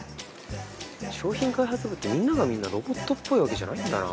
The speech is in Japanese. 商品開発部ってみんながみんなロボットっぽいわけじゃないんだな。